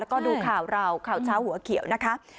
แล้วก็ดูข่าวเราข่าวเช้าหัวเขียวนะคะ